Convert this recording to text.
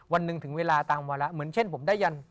วันหนึ่งถึงเวลาตามวาระเหมือนเช่นผมได้ยัน